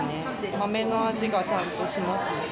豆の味がちゃんとします。